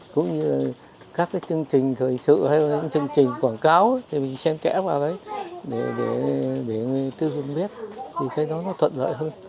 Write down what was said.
cũng như là các cái chương trình thời sự hay là những chương trình quảng cáo thì mình xem kẽ vào đấy để người tiêu dùng biết thì cái đó nó thuận lợi hơn